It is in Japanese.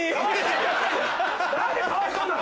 何でかわいそうなの！